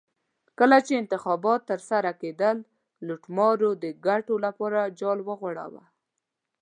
کله چې انتخابات ترسره کېدل لوټمارو د ګټو لپاره جال وغوړاوه.